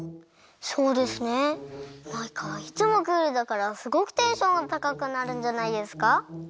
そうですねマイカはいつもクールだからすごくテンションがたかくなるんじゃないですか？